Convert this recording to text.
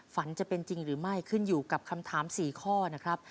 ฝันจะเป็นจริงหรือไม่ขึ้นอยู่กับคำถาม๔ข้อนะครับ